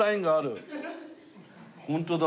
ホントだ。